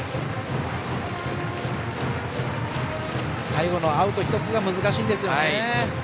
最後のアウト１つが難しいんですよね。